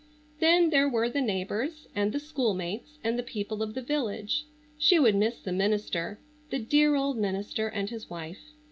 Then there were the neighbors, and the schoolmates, and the people of the village. She would miss the minister,—the dear old minister and his wife.